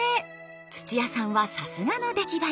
土屋さんはさすがの出来栄え。